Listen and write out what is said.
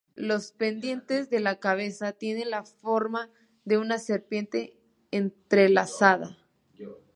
Los pendientes de la cabeza tienen la forma de una serpiente entrelazada.